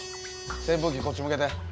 扇風機こっち向けて。